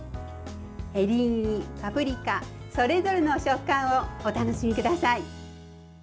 エリンギ、パプリカそれぞれの食感をお楽しみください。